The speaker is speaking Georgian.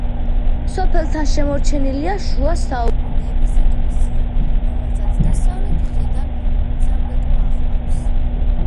სოფელთან შემორჩენილია შუა საუკუნეების ეკლესია, რომელსაც დასავლეთ მხრიდან სამრეკლო ახლავს.